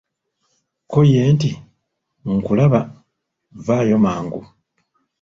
Ko ye nti, "Nkulaba, vaayo mangu"